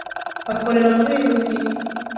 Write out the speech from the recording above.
Akorera muri uyu mujyi?